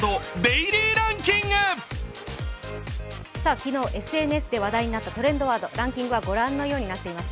昨日ＳＮＳで話題になったトレンドワード、ランキングはご覧のようになっています。